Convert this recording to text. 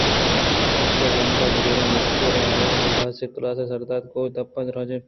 ایشاں زنڈ ءُ پزّوریں مُشکے ءَ را ہولے (آسن ءِ کُلاہ)سرا دات ءُ کُون ءِ دپ ءَ درٛاجیں پِیش ءُ کانزگ بست ءُ کماندار جوڑ کُت